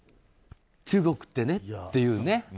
中国ってねっていうね。